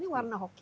merah itu hoki